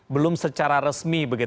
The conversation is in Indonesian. belum secara resmi